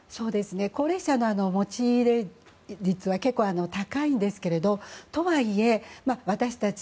高齢者の持ち家率は結構、高いんですけどとはいえ、私たち